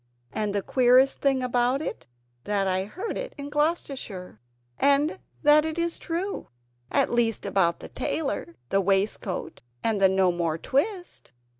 And the queerest thing about it is that I heard it in Gloucestershire, and that it is true at least about the tailor, the waistcoat, and the "No more twist!"